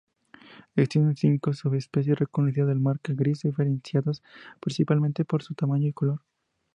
Existen cinco subespecies reconocidas del macá gris, diferenciadas principalmente por su tamaño y color.